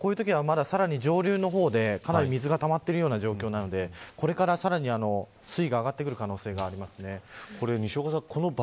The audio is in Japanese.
こういうときはさらに上流の方で水がたまっているような状況なのでこれからさらに水位が上がってくる可能性があります。